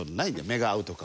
目が合うとか。